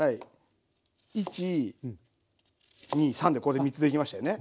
１２３でこれで３つ出来ましたよね。